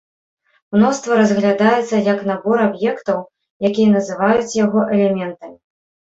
Мноства разглядаецца як набор аб'ектаў, якія называюць яго элементамі.